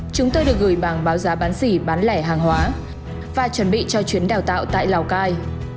chúng tôi được gửi bảng báo giá bán xỉ bán lẻ hàng hóa và chuẩn bị cho chuyến đào tạo tại lào cai